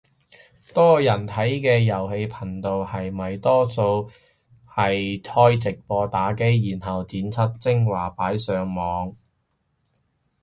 多人睇嘅遊戲頻道係咪多數係開直播打機，然後剪輯精華擺上網